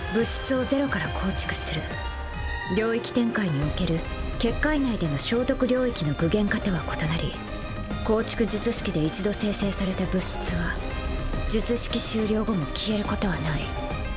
領域展開における結界内での生得領域の具現化とは異なり構築術式で一度生成された物質は術式終了後も消えることはない。